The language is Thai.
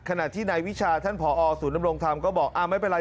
ขนาดที่ในวิชาท่านผอสูตรนำรงค์ทำก็บอกอ้าวไม่เป็นไร